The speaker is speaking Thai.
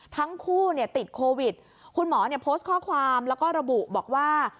ทั้งคู่ติดโควิดคุณหมอโพสต์ข้อความแล้วก็ระบุบอกว่า